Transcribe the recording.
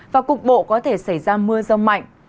và cục bộ có thể xảy ra mưa rông mạnh